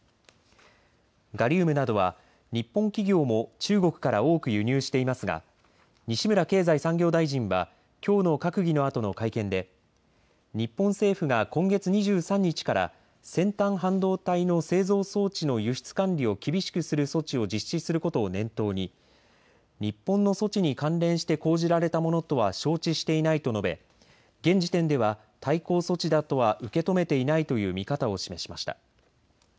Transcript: ガリウムなどは日本企業も中国から多く輸入していますが西村経済産業大臣はきょうの閣議のあとの会見で日本政府が今月２３日から先端半導体の製造装置の輸出管理を厳しくする措置を実施することを念頭に日本の措置に関連して講じられたものとは承知していないと述べ現時点では対抗措置だとは受け止めていないという見方を示しました。